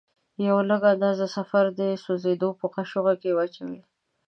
یوه لږه اندازه سلفر د سوځیدو په قاشوغه کې واچوئ.